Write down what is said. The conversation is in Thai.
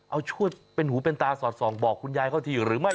เอาช่วยเป็นหูเป็นตาสอดส่องบอกคุณยายเขาทีหรือไม่